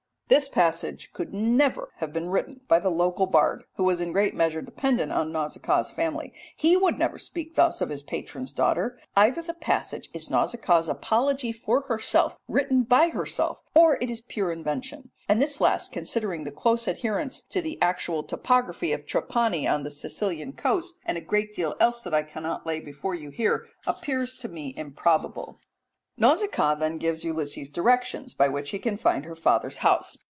'" This passage could never have been written by the local bard, who was in great measure dependent on Nausicaa's family; he would never speak thus of his patron's daughter; either the passage is Nausicaa's apology for herself, written by herself, or it is pure invention, and this last, considering the close adherence to the actual topography of Trapani on the Sicilian Coast, and a great deal else that I cannot lay before you here, appears to me improbable. Nausicaa then gives Ulysses directions by which he can find her father's house.